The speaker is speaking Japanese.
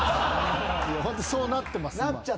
ホントそうなってます